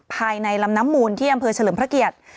ภายในลำน้ำมูลที่อำเภอเฉลิมพระเกียรติ